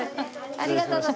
ありがとうございます。